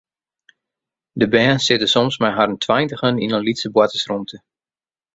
De bern sitte soms mei harren tweintigen yn in lytse boartersrûmte.